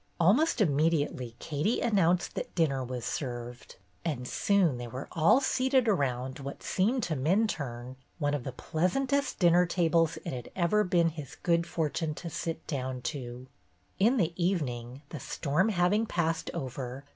Almost immediately Katie announced that dinner was served, and soon they were all seated around what seemed to Minturne one of the pleasantest dinner tables it had ever been his good fortune to sit down to. In the evening, the storm having passed over.